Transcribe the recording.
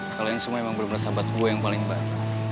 kalian semua emang bener bener sahabat gue yang paling baik